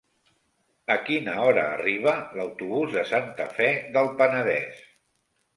A quina hora arriba l'autobús de Santa Fe del Penedès?